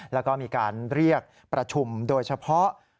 แล้วก็มีการเรียกประชุมโดยเฉพาะ